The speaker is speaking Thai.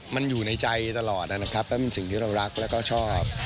มันอยู่ในใจตลอดนะครับแล้วเป็นสิ่งที่เรารักแล้วก็ชอบ